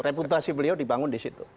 reputasi beliau dibangun di situ